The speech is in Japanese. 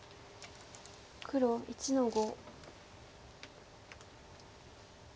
黒１の五。